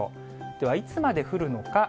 では、いつまで降るのか。